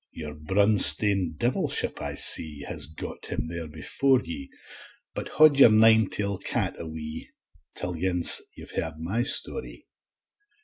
Your brunstane devilship, I see, Has got him there before ye; But haud your nine tail cat a wee, Till ance you've heard my story.